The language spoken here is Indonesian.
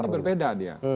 nah ini berbeda dia